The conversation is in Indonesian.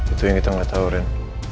itu yang kita gak tau ren